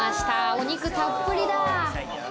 お肉たっぷりだ！